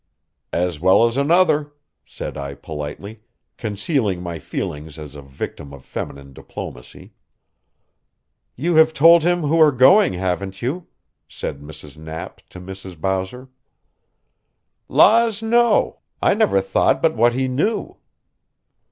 "As well as another," said I politely, concealing my feelings as a victim of feminine diplomacy. "You have told him who are going, haven't you?" said Mrs. Knapp to Mrs. Bowser. "Laws, no! I never thought but what he knew."